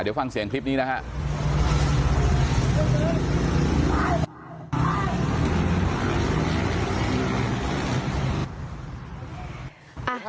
อันดิวฟังเสียงคลิปนี้นะคะ